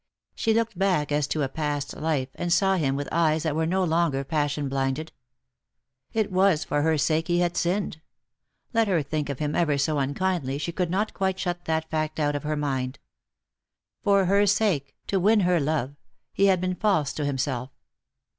She looked back as to a past life, and saw him with eyes that were no longer passion blinded. It was for her sake he had sinned. Let her think of him ever so unkindly, she could not quite shut that fact out of her mind. For her sake, to win her love, he had been false to himself.